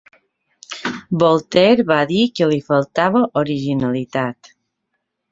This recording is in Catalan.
Voltaire va dir que li faltava originalitat.